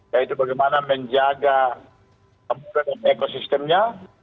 yaitu bagaimana menjaga ekosistemnya